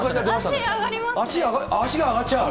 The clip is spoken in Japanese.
足が上がっちゃう。